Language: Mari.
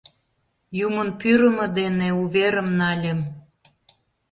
Юмын пӱрымӧ дене уверым нальым.